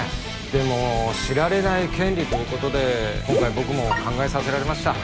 でも知られない権利ということで今回僕も考えさせられました